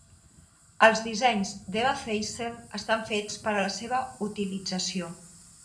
Els dissenys d"Eva Zeisel estan fets per a la seva utilització.